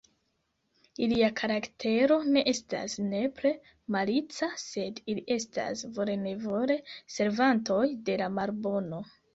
Ilia karaktero ne estas nepre malica, sed ili estas vole-nevole servantoj de la malbono.